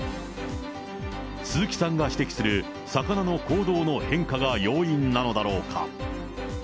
鈴木さんが指摘する、魚の行動の変化が要因なのだろうか。